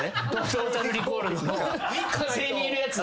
『トータル・リコール』の火星にいるやつ。